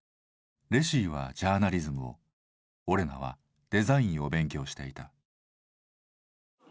レシィはジャーナリズムをオレナはデザインを勉強していた。